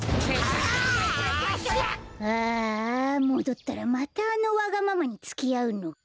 ああもどったらまたあのわがままにつきあうのか。